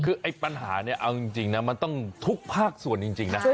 คือไอ้ปัญหาเนี่ยเอาจริงนะมันต้องทุกภาคส่วนจริงนะ